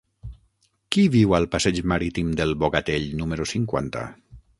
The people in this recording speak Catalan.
Qui viu al passeig Marítim del Bogatell número cinquanta?